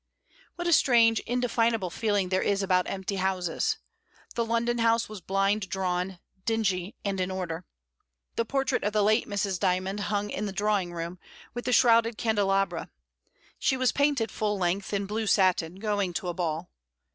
What a strange, indefinable feeling there is about empty houses. The London house was blind drawn, dingy, and in order. The portrait of the late Mrs. Dymond hung in the drawing room, with the shrouded candelabra; she was painted full length, in blue satin, going to a ball.